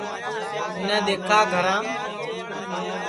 اُنیں دؔیکھا گھرام